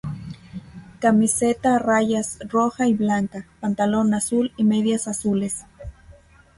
Camiseta a rayas roja y blanca, pantalón azul y medias azules.